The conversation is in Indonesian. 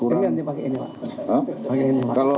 ini nanti pakai ini pak